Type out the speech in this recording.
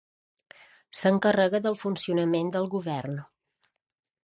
S'encarrega del funcionament del govern.